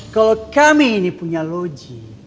kalau kami ini punya loji